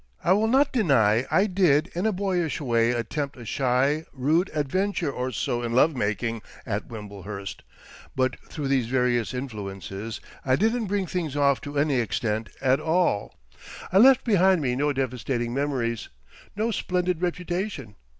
I will not deny I did in a boyish way attempt a shy, rude adventure or so in love making at Wimblehurst; but through these various influences, I didn't bring things off to any extent at all. I left behind me no devastating memories, no splendid reputation.